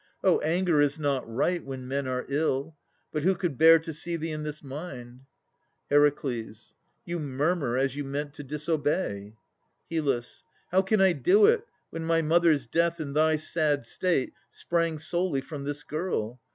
Oh, anger is not right, when men are ill! But who could bear to see thee in this mind? HER. You murmur, as you meant to disobey. HYL. How can I do it, when my mother's death And thy sad state sprang solely from this girl?